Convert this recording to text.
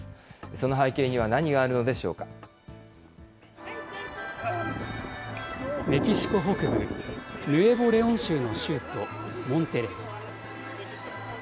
その背景には何があるのでしょうメキシコ北部、ヌエボ・レオン州の州都、モンテレイ。